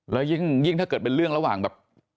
แล้วยิ่งถ้าเกิดเป็นเรื่องระหว่างแบบ